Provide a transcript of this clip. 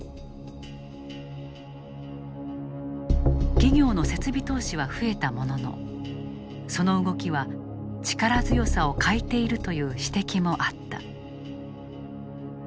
企業の設備投資は増えたもののその動きは力強さを欠いているという指摘もあった。